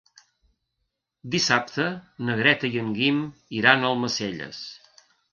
Dissabte na Greta i en Guim iran a Almacelles.